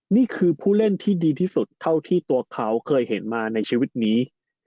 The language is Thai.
นี่คือผู้เล่นที่ดีที่สุดเท่าที่ตัวเขาเคยเห็นมาในชีวิตนี้